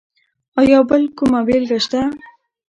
ایا بل کومه بېلګه شته؟